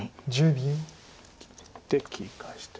切って切り返して。